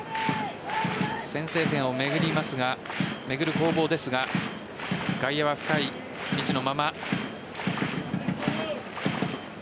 先制点を巡る攻防ですが外野は深い位置のまま。